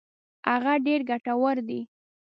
هغه ډېر ګټور دي.